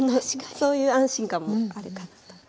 そういう安心感もあるかなと。